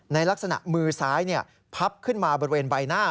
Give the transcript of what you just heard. ในลักษณะมือซ้ายพับขึ้นมาบริเวณใบหน้า